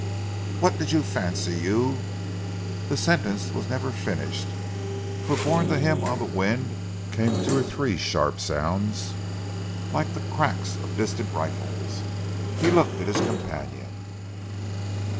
"What did you fancy you " The sentence was never finished, for borne to him on the wind came two or three sharp sounds like the cracks of distant rifles. He looked at his companion.